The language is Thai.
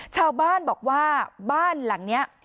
ชาวบ้านบอกว่าบ้านหลังนี้